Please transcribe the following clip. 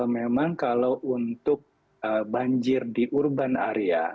memang kalau untuk banjir di urban area